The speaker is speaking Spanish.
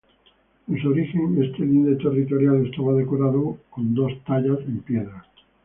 En su origen, este linde territorial estaba decorado con dos tallas en piedra.